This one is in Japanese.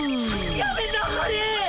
やめなはれ！